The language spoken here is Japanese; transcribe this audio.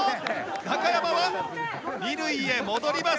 中山は二塁へ戻ります。